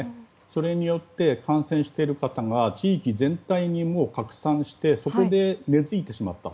それによって感染している方が地域全体に拡散してそこで根付いてしまった。